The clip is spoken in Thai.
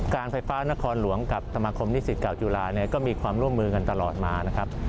การไฟฟ้านครหลวงกับสมาคมนิสิตเก่าจุฬาเนี่ยก็มีความร่วมมือกันตลอดมานะครับ